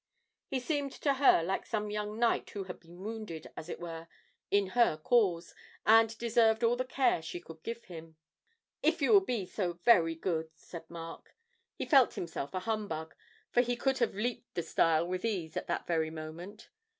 He seemed to her like some young knight who had been wounded, as it were, in her cause, and deserved all the care she could give him. 'If you will be so very good,' said Mark. He felt himself a humbug, for he could have leaped the stile with ease at that very moment.